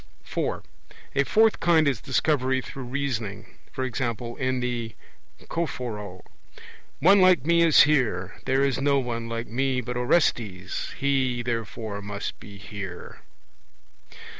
(4) A fourth kind is Discovery through reasoning; e.g. in The Choephoroe: 'One like me is here; there is no one like me but Orestes; he, therefore, must be here.'